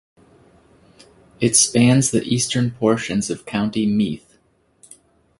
It spans the eastern portions of County Meath.